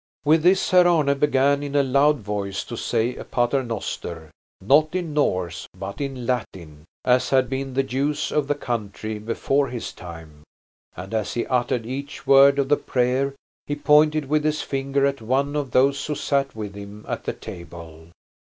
With this Herr Arne began in a loud voice to say a paternoster, not in Norse but in Latin, as had been the use of the country before his time. And as he uttered each word of the prayer he pointed with his finger at one of those who sat with him at the table.